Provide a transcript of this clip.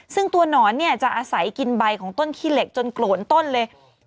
ซึ่งตัวหนอนเนี่ยจะอาศัยกินใบของต้นขี้เหล็กจนโกรนต้นเลย